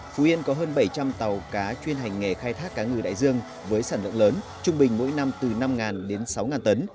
phú yên có hơn bảy trăm linh tàu cá chuyên hành nghề khai thác cá ngừ đại dương với sản lượng lớn trung bình mỗi năm từ năm đến sáu tấn